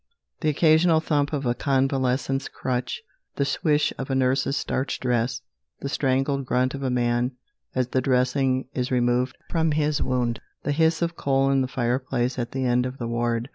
The occasional thump of a convalescent's crutch. The swish of a nurse's starched dress. The strangled grunt of a man as the dressing is removed from his wound. The hiss of coal in the fireplace at the end of the ward.